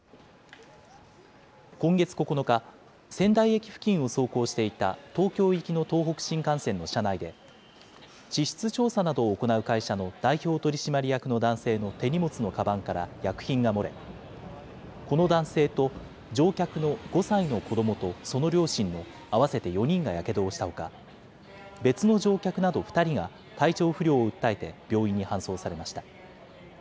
今月９日、仙台駅付近を走行していた東京行きの東北新幹線の車内で、地質調査などを行う会社の代表取締役の男性の手荷物のかばんから薬品が漏れ、この男性と乗客の５歳の子どもとその両親の合わせて４人がやけどをしたほか、別の乗客など２人が、体調不良を訴えて病院に搬送されました。